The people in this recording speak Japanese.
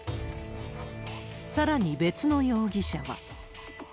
さらに、別の容疑者は。